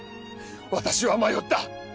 私は迷った！